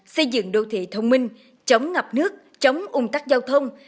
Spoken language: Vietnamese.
xây dựng đô thị thông minh chống ngập nước chống ung tắc giao thông